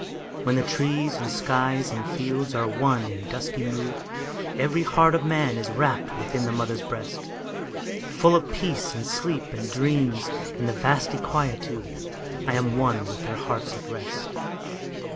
When the trees and skies and fields are one in dusky mood, Every heart of man is rapt within the mother's breast:Full of peace and sleep and dreams in the vasty quietude,I am one with their hearts at rest.